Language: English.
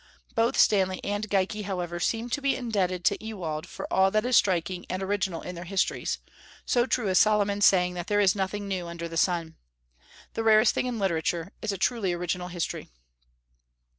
Both Stanley and Geikie, however, seem to be indebted to Ewald for all that is striking and original in their histories, so true is Solomon's saying that there is nothing new under the sun. The rarest thing in literature is a truly original history.